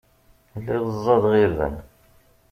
Lliɣ ẓẓadeɣ irden.